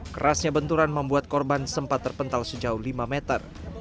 kerasnya benturan membuat korban sempat terpental sejauh lima meter